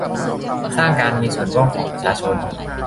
สร้างการมีส่วนร่วมของประชาชน